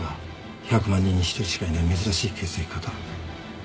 １００万人に１人しかいない珍しい血液型。